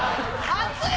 熱い！